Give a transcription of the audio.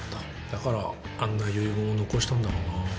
だから、あんな遺言を残したんだろうな。